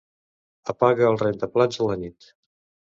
Apaga el rentaplats a la nit.